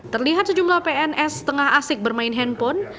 terlihat sejumlah pns setengah asik bermain handphone